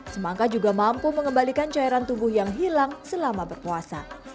semangka juga mampu mengembalikan cairan tubuh yang hilang selama berpuasa